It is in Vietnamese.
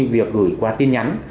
việc gửi qua tin nhắn